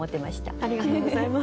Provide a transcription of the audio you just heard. ありがとうございます。